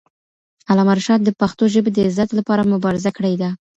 علامه رشاد د پښتو ژبې د عزت لپاره مبارزه کړې ده.